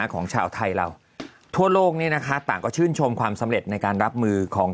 ของชาวไทยเราทั่วโลกนี้นะคะต่างก็ชื่นชมความสำเร็จในการรับมือของ